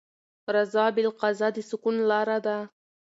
رضا بالقضا د سکون لاره ده.